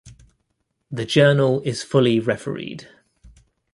The Journal is fully refereed.